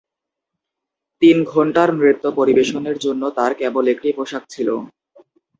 তিন ঘন্টার নৃত্য পরিবেশনের জন্য তাঁর কেবল একটি পোশাক ছিল।